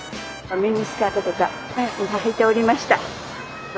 ミニスカートとかはいておりました。